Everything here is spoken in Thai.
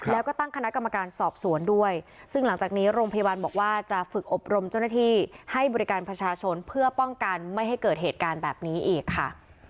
แล้วก็ตั้งคณะกรรมการสอบสวนด้วยซึ่งหลังจากนี้โรงพยาบาลบอกว่าจะฝึกอบรมเจ้าหน้าที่ให้บริการประชาชนเพื่อป้องกันไม่ให้เกิดเหตุการณ์แบบนี้อีกค่ะ